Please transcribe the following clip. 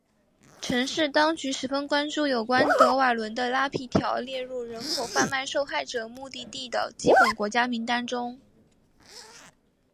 城市当局十分关注有关德瓦伦的拉皮条列入人口贩卖受害者目的地的基本国家名单中。